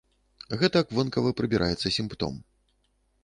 Гэтак вонкава прыбіраецца сімптом.